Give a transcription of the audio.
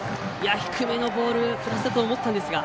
低めのボール振らせたと思ったんですが。